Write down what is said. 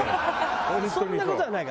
そんな事はないから。